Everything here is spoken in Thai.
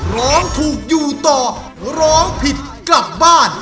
ร้องถูกอยู่ต่อร้องผิดกลับบ้าน